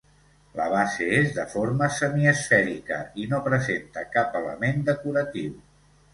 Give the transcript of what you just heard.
La base és de forma semiesfèrica i no presenta cap element decoratiu.